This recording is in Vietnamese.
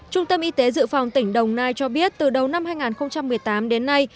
trung tâm y tế dự phòng tỉnh đồng nai cho biết từ đầu năm hai nghìn một mươi tám đến nay